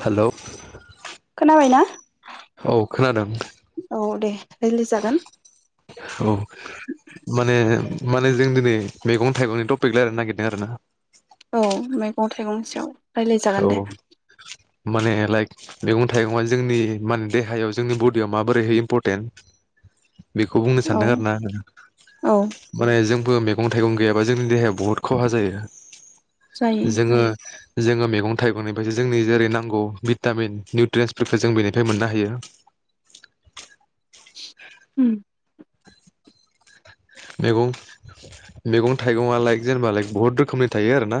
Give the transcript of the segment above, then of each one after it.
Hello खोनाबायना? औ खोनादों रिलि जागोन औ माने माने जों दिनै मैगं थाइगंनि टपिक रायलायनो नागिरदों आरो ना औ मैगं थाइगंनि सायाव रायलायजागोन दे औ माने लाइक मैगं थाइगङा जोंनि माने देहायाव जोंनि बडियाव माबोरैहाय इम्परटेन्ट बेखौ बुंनो औ सानदों आरो ना आङो औ माने जों बो मैगं थाइगं गैयाबा जोंनि देहाया बुहुत खहा जायो। जायो जोङो जोङो मे गं थाइगंनिफायसो जोंनि जेरै- नांगौ भिटामिन, निउट्रियेन्सफोरखौ जों बेनिफाय मोननो हायो। उम मैगं मैगं थाइगंआ लाइक जेनेबा लाइक बुहुत रोखोमनि थायो आरोना।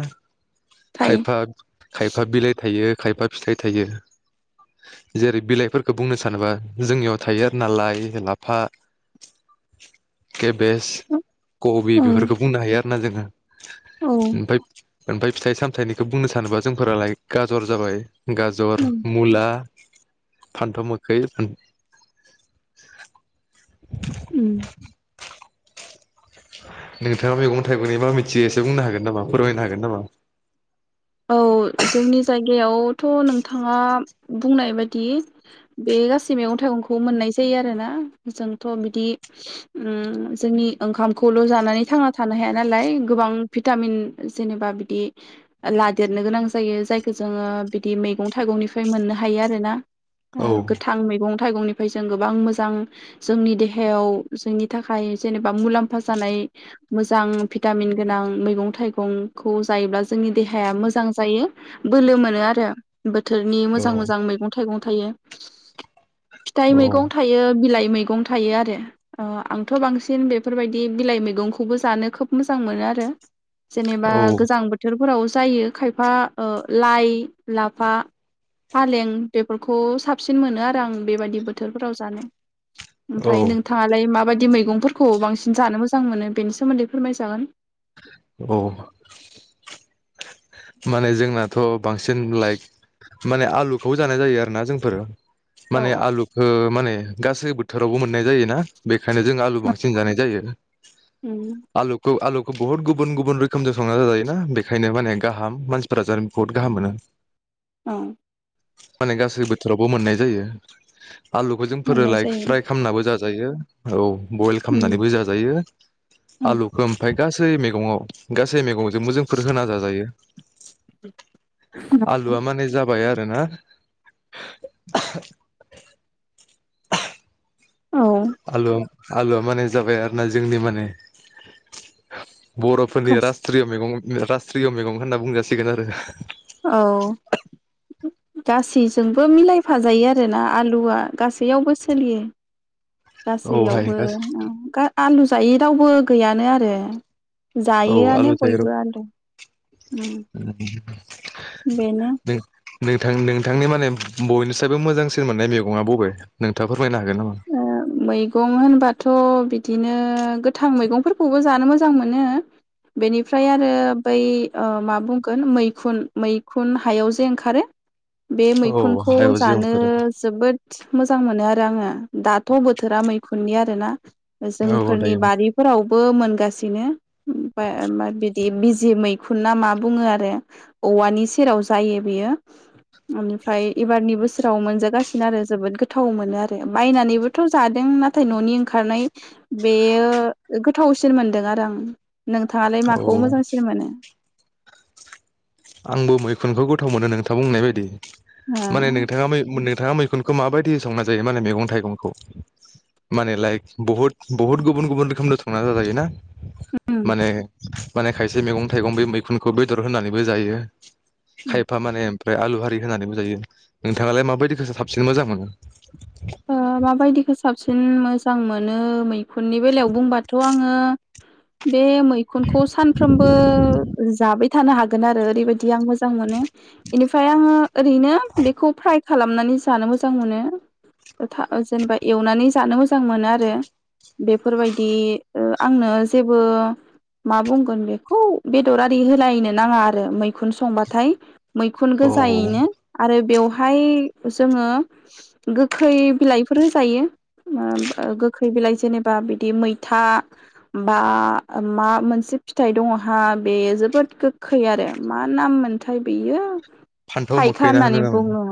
थायो खायफा खायफा बिलाइ थायो खायफा फिथाइ थायो जेरै- बिलाइफोरखो बुंनो सानोबा जोंनियाव थायो आरो ना लाइ, लाफा केबेज औ कबि बेफोरखो बुंनो हायो आरो ना जोङो औ ओमफाय ओमफाय फिथाइ सामथायाइनिखो बुंनो सानोबा जोंफोरा लाइक गाजर जाबाय गाजर, उम मुला फानथाव मोखै, फान उम नोंथाङा मैगं थाइगंनि मा मिथियो एसे बुंनो हागोन नामा फोरमायनो हागोन नामा? औ जोंनि जायगायावथ' नोंथाङा बुंनाय बायदि बे गासै मैगं थाइगंखौ मोननाय जायो आरोना । जोंथ' बिदि ओम जोंनि ओंखामखौल' जानानै थांना थानो हाया नालाय गोबां भिटामिन जेनेबा बिदि लादेरनो गोनां जायो जायखो जोङो बिदि मैगं थाइगंनिफाय मोननो हायो आरो ना। औ ओ गोथां मैगं थाइगंनि फाय जों गोबां मोजां जोंनि देहायाव जोंनि थाखाय जेनेबा मुलाम्फा जानाय मोजां भिटामिन गोनां मैगं थाइगंखौ जायोब्ला जोंनि दे हाया मोजां जायो, बोलो मोनो आरो। बोथोरनि औ मोजां मोजां मैगं थाइगं थायो। [inaudible] फिथाइ मैगं थायो बिलाइ मैंगं थायो आरो ओ आंथ' बांसिन बेफोरबायदि बिलाइ मैगंखौबो जानो खोब मोजां मोनो आरो । जेनेबा औ गोजां बोथोर फोराव जायो खायफा ओ लाइ लाफा फालें बेफोरखौ साबसिन मोनो आरो आं बेबायदि बोथोरफोराव जानो । औ ओमफ्राय नोंथाङालाय माब माबायदि मैगंफोरखौ बांसिन जानो मोजां मोनो बेनि सोमोन्दै फोरमायजागोन । औ । माने जोंनाथ' बांसिन लाइक माने आलुखौबो जानाय जायो आरो ना जोंफोर औ माने आलुखौ माने गासै बोथोरावबो मोननाय जायो ना बेखायनो जों आलु बांसिन जानाय जायो आलुखौ आलु बहुत गुबुन गुबुन रोखोमजों संना जाजायो ना बेखायनो माने गाहाम मानसिफोरा जानो बहुत गाहाम मोनो औ । माने गासै बोथोरावबो मोननाय जायो । आलुखौ जों मोननाय फोरोलाय जायो फ्राय खालामनाबो जा जायो औ। बयल खालामनानैबो जाजायो आलुखौ ओमफाय गासै सै मेगंवाव गास गासे मैगंजों मो जोंफोर होना जा जायो । आलुआ माने जाबाय आरो ना औ आलु आलुआ माने जाबाय आरो ना जोंनि माने बर'फोरनि गासै रास्ट्रिय मैगं रास्ट्रिय मैगं होनना बुंजासिगोन आरो औ गासैजोंबो मिलायफाजायो आरोना आलुआ गासैयावबो सोलियो । औहाय गासैयावबो गासै ओ गा आलु जायै रावबो गैयानो आरो औ आलु जायोआनो थाइग्रब बयबो आलु उम । बेनो नों नोंथां नोंथांनि माने बयनिसायबो मोजांसिन मोननाय मैगङा बबे? नोंथां फोर ओ मैगं होनबाथ' बि दिनो गोथां मैगंफोरखौबो जानो मोजां मोनो बेनिफ्राय आरो बै ओ मा बुंगोन मैखुन मैखुन हायाव जे ओंखारो । बे औ मैखुनखौ हायाव जानो जिउफोर जोबोद मोजां मोनो आरो आङो। दाथ' बोथोरा मैखुननि आरोना। औ जोंफोरनि दायोमोन बारिफोराव बो मोनगासिनो [unintelligible] दि बिजि मैखुन ना मा बुङो आरो । औवानि सेराव जायो बेयो इनिफ्राय एबारनि बोसोराव मोनजागासिनो आरो जोबोद गोथाव मोनो आरो। बायनानैबोथ' जादों नाथाय न'नि ओंखारनाय बेयो गोथावसिन मोनदों आरो आं। नोंथाङालाय औ माखौ मोजांसिन मोनो? आंबो मैखुनखौ गोथाव मोनो नोंथां बुंनाय बायदि। माने नोंथाङा मै नोंथाङा मैखुन खो माबायदियै संना जायो माने मैगं थाइगंखौ । माने लाइक बहुद बहुद गुबुन गुबुन रोखोमनो संना जाजायोना। ओ माने माने खायसे मैगं थाइगं बै मैखुनखौ बेदर होननानै बो जायो। खायफा माने ओमफ्राय आलुहारि होननानैबो जायो नोंथाङालाय माबायदिखोथो साबसिन मोजां मोनो? अ माबायदिखो साबसिन मोजां मोनो मैखुननि बेलायाव बुंबाथ' आङो बे मैखुनखौ सानफ्रामबो जाबाय थानो हागोन आरो ओरैबायदि आं मोजां मोनो इनिफ्राय आङो ओरैनो बेखौ फ्राइ खालामनानै जानो मोजां मोनो। ओ था जेनेबा एवनानै जानो मोजां मोनो आरो । बेफोरबायदि ओ आंनो जेबो मा बुंगोन बेखौ बेदरआरि होलायनो नाङा आरो मैखुन संबाथाय। मैखुन औ गोजायैनो आरो बेव हाय जोङो गोखै बिलाइफोर होजायो ओ गोखै बिलाइ जेनेबा बिदि मैथा बा मा मोनसे फिथाइ दङ हा बे जोबोद गोखै आरो मा नाम मोनथाय बेयो फान्थाव थाइखा मोखैना होनो होननानै नामा बुङो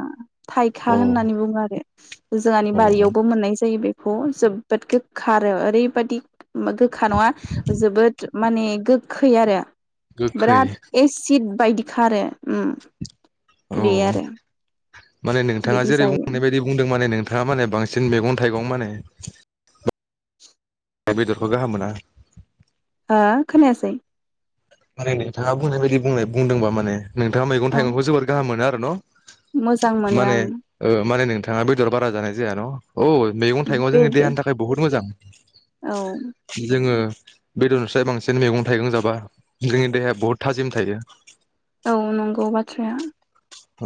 थाइखा औ होननानै बुङो आरो । जाआनि औ बारियावबो मोननाय जायो। बेखौ जोबोद गोगखा आरो ओरैबायादि उम गोखा नङा जोबोद माने गोखै आरो । गोखै बिराद एसिद बायदि । खारो उम औ बे आरो माने नोंथाङा बिदि जेरै जायो बुंनाय बायदि बुंदों माने नोंथाङा माने बांसिन मेगं थाइगं माने [inaudible] बेदरखौ गाहाम मोना ओ खोनायासै माने नोंथाङा बुंनाय बायदि बुंनाय बुंदोंबा माने नोंथाङा मैगं औ थाइगंखौ जोबोर गाहाम मो न' मोजां मोनो आं थाङा बेदर बारा जानाय जाया न' अ मैगं थाइगंआ जोंनि बेदर देहानि थाखाय बहुत मोजां औ [inaudible] जोङो बेदरनिस्राय बांसिन मैगं थाइगं जाबा जोंनि देहाया बहुद थाजिम थायो। औ नंगौ बाथ्राया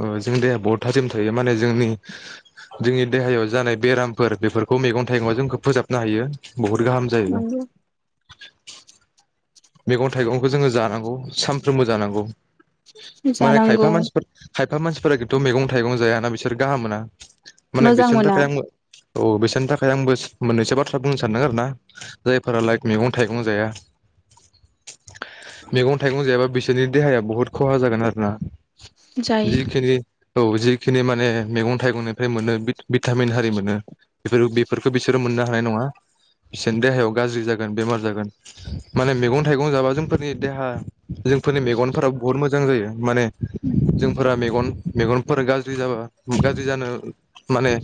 ओजोंनि देहाया बहुत थााजिम थायो माने जोंनि जोंनि देहायाव जानाय बेरामफोर बेफोरखौ मेगं थाइगं जोंखौ फोजोबनो हायो। बहुद गाहाम जायो। नंगौ मेगं थाइगंखो जोङो जानांगौ। सामफ्रोमबो जानांगौ माने जानांगौ खायफा मानसिफोर खायफा मानसिफोरा खिन्थु मेगं थाइगं जायाना बिसोर गाहाम मोना। माने मोजां बिसोरनि मोना थाखाय आं औ बिसोरनि थाखाय आंबो मोननैसो बाथ्रा बुंनो सानदों आरो ना जायफोरा लाइक मैगं थाइगं जाया मैगं थाइगं जायाबा बिसोरनि देहाया बहुत खहा जागोन आरो ना? जायो जिखिनि औ जिखिनि माने मैगं थाइगंनिफ्राय मोनो भिटामिन हारि मोनो बेफोर बेफोरखो बिसोरो मोननो हानाय नङा बिसोरनि देहायाव गाज्रि जागोन बेमार जागोन। माने मेगं थाइगं जाबा जोंफोरनि देहा जोंफोरनि मेगनफोरा बुहुत मोजां जायो माने। जोंफोरा मेगन मेगनफोर गाज्रि जाबा गाज्रि जानो माने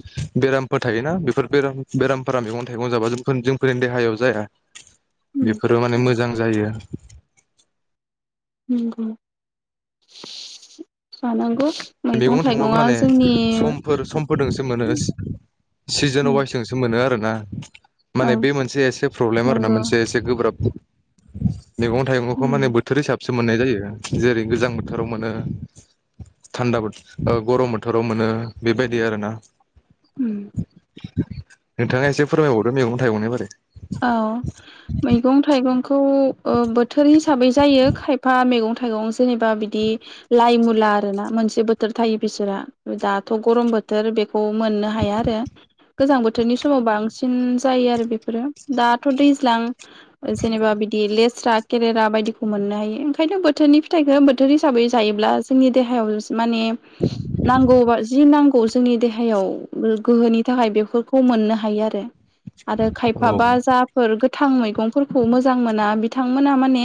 बेरामफोर थायोना बेफोर बेरामफोरा मेगं थाइगं जाबा जोंफोर जोंफोरनि देहायाव जाया। उम फोरो माने मोजां जायो। नोंगौ [inaudible] जानांगौ मैगं थायगंआबो थाइगङा माने जोंनि समफोर समफोरजोंसो मोनो सिजोन उम वाइसजोंसो मोनो आरो ना औ माने बे मोनसे एसे प्रब्लेम आरो ना नंगौ मोनसे एसे गोब्राब मैं थाइगंखौ माने उम बोथोरै साबसिन। मोननाय जायो जेरै गोजां बोथोराव मोनो थान्दाो गरम बोथोराव मोनो बेबायदि आरो ना। उम नोंथाङा एसे फोरमायबाव बे मैगं थाइगं नि बारै आरो। खौ ओ बोथोर हिसाबै जायो खायफा मैगं थाइगं जेनेबा बिदि लाइ मुला आर ना मोनसे बोथोर थायो बिसोरा दाथ' गरम बोथोर बे खौ मोननो हाया आरो गोजां बोथोरनि समावब आं साबसिन जायो आरो बेफोरो दाथ' दैज्लां जेनेबा बिदि लेस्रा केरेरा बायदिखौ मोननो हायो ओंखायनो बोथोरनि फिथाइखो बोथोर हिसाबै जायोब्ला जोंनि देहायाव माने नांगौबा जि नांगौ खौ जोंनि देहायाव गोहोनि थाखाय बेफोरखौ मोननो हायो आरो। [inaudible] हाबा जाफोर थां मैगंफोरखौ मोजां मोना बिथांमोना माने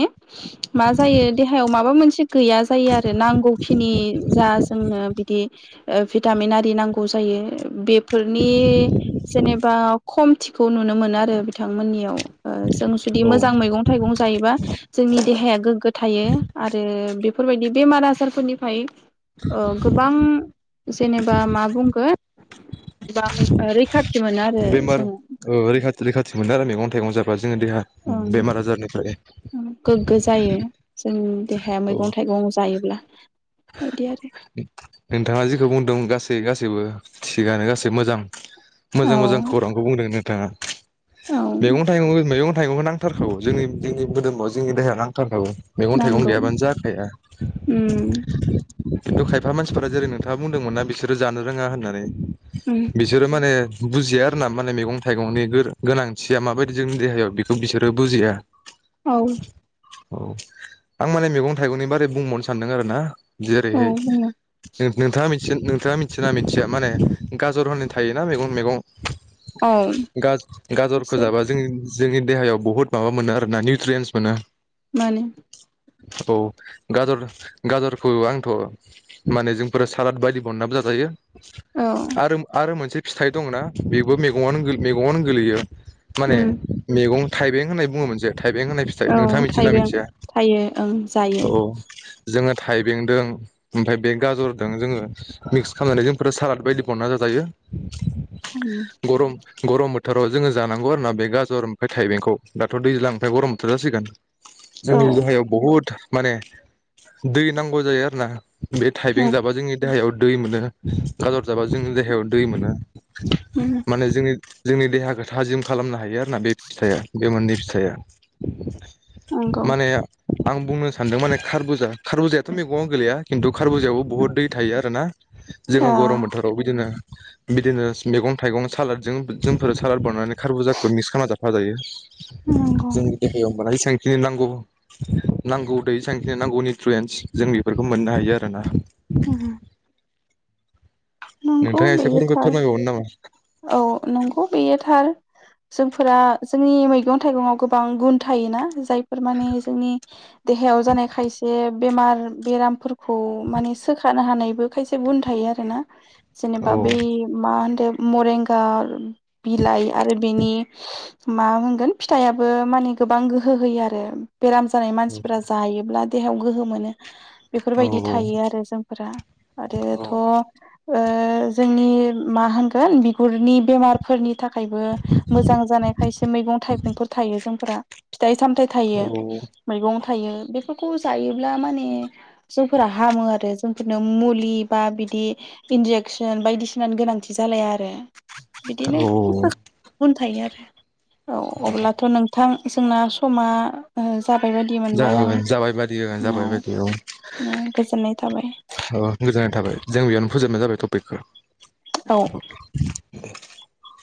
मा जायो देहायाव माबा मोनसे गैया जायो आरो नांगौखिनि जा जोंनो बिदि ओ भिटामिन आरि नांगौ जायो बे फोरनि जेनेबा खम खौ नुनो मोना आरो। आरो बिथांमोननियाव जों जुदि औ मोजां मैगं थाइगं जायोबा जोंनि देहाया गोग्गो थायो आरो। बेफोरबायदि बेमार आजारफोरनिफ्राय औ गोबां। जेनेबा मा बुंगोन बा रैखा बेमार [inaudible] मोनो आरो मैगं थाइगं जाबा जोङो देहा ओं बेमार आजारनिफ्राय गोग्गो जायो जोंनि देहाया औ मैगं थाइगं जायोब्ला बिदि आरो नोंथाङा जेखौ बुंदों गासै गासैबो। थिगानो गासै मोजां। औ मोजां मोजां खौरांखौ बुंदोंनो। औ [inaudible] मैगं थाइगं मैग थाइगंखौ नांथारगौ जोंनि जोंनि मोदोमाव जोंनि देहाया नांथारखागौ। मैगं थाइगं नांगौ गैयाबानो जाखाया। उम खिन्थु खायफा मानसिफोरा जेरै नोंथाङा बुंदोंमोनना बिसोरो जानो रोङा होननानै उम बिसोरो माने बुजिया आरो ना माने मैगं थाइगंनि गोनांथिया माबायदि जोंनि देहायाव बेखौ बिसोरो बुजिया। औ औ आं माने मैगं थाइगंनि बारै बुंबावनो सानदों आरो ना औ जेरैहाय बुङो नोंथाङा मिथि नोंथाङा मिथियोना मिथिया माने गाजर होननाय थायोना मैगं मैगं? औ गाज-गाजरखौ एसे जाबा जों जोंनि देहायाव बहुत माबा मोनो आरो ना निउट्रियन्स मोनो। माने औ गाजर गाजर खौ आंथ' माने जोंफोर सालाद बायदि बनायनाबो जाजायो। औ आरो आरो मोनसे फिथाइ दं ना बेबो मैगङानो मैगङानो गोग्लैयो। माने उम मैगं थाइबें होन्ना बुङो मोनसे थाइबें होननाय फिथाइ औ नोंथाङा मिथियोना थाइबें मिथिया थायो ओं औ जायो। जोङो थाइबेंदों ओमफ्राय बे गाजरदों जोङो मिक्स खालामनानै जोंफोर सालाद बायदि बनायनानै जायो। गरम गरम बोथोराव जोङो जानांगौ आरोना बे गाजर ओमफ्राय थाइबेंखौ दाथ' दैज्लां आमफ्राय गरम बोथोर जासिगोन। औ जोंनि देहायाव बहुद माने दै नांगौ जायो आरो ना। बे थाइबें उम जाबा जोंनि देहायाव दै मोनो गाजर जाबा जोंनि देहायाव दै मोनो उम माने जोंनि जोंनि देहाखौ थाजिम खालामनो हायो आरोना बे फिथाइया बे मोननै फिथाइया। नंगौ माने आं बुंनो सानदों माने खारबुजा खारबुजायाथ' मैगङावव गोलैया। हे खिन्थु [unintelligible] बहुत दै थायो आरो ना? दा जोङो गरम बोथोराव बिदिनो बिदिनो मैगं थाइगं सालादजों जोंफोर सालाद बानायनानै खारबुजाखौ मिक्स खालामना जाफा जायो। नंगौ जोंनि देहायाव बानाय तेंखि नांगौ नांगौ दै सांखिनि नांगौनि फ्लुयेन्स जों बेफोरखौ मोननो हायो आरो ना? उम नोंथाङा एसे फोर थार फोरमायबावनो नामा? औ नंगौ बेयोथार जोंफोरा जोंनि मैगं थाइगङाव गोबां गुन थायोना? जाय बेफोरमाने जोंनि देहायाव जानाय खायसे बेमार बेरामफोर खौ माने सोखार ना हानायबो खायसे गुन थायो आरोना? औ जेनेबा बै मान [unintelligible] बिलाइ आरो बिनि मा होनगोन फिथाइया बो माने गोबां गोहो होयो आरो। बेराम जानाय मानसिफोरा जायोब्ला देहायाव गोहो मोनो। औ बेफोरबायदि थायो आरो जोंफोरा आरो औ थ' ओ जोंनि मा होनगोन गोन बिगुरनि बेमारफोरनि थाखायबो मोजां जानाय खायसे मैगं थाइगंफोर थायो। जों फोरा फिथाइ सामथाय थायो औ मैगं थायो बेफोरखौ जायोब्ला माने जोंफोरा हामो आरो जोंफोरनो मुलि बा बिदि इनजेकसन बायदिसिनानि गोनांथि जालाया आरो बिदिनो औ [unintelligible] [unintelligible] औ अब्लाथ' नोंथां जोंना समा ओ जाबाय बायदि मोनबाय जाबाय आं बादि जाबाय बायदि औ औ औ गोजोननाय थाबाय गोजोननाय थाबाय। जों बेयावनो फोजोबनाय जाबाय टपिकखौ। औ लांदां